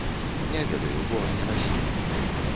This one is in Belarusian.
Не ведаю, бо не насіў.